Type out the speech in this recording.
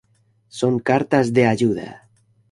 Son cartas de ayuda.